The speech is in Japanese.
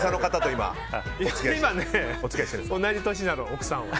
今ね、同じ年なの奥さんは。